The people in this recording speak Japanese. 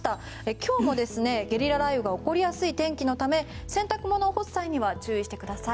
今日も、ゲリラ雷雨が起こりやすい天気のため洗濯物を干す際には注意してください。